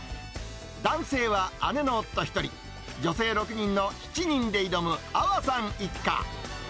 男性は姉の夫１人、女性６人の７人で挑む安和さん一家。